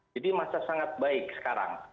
jadi masih sangat baik sekarang